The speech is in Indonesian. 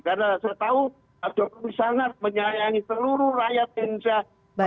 karena saya tahu jokowi sangat menyayangi seluruh rakyat indonesia